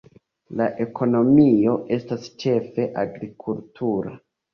La ekonomio estas ĉefe agrikultura.